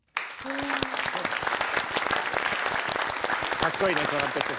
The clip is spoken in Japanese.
かっこいいねトランペット。